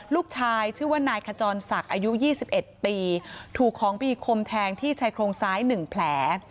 ชื่อว่านายขจรศักดิ์อายุ๒๑ปีถูกของมีคมแทงที่ชายโครงซ้าย๑แผล